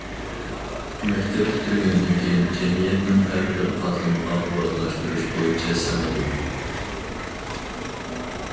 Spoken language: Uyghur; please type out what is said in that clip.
مەكتەپ پۈتتۈرگەندىن كېيىن جەمئىيەتنىڭ ھەر بىر قاتلىمىغا ئورۇنلاشتۇرۇش بويىچە سىڭىدۇ.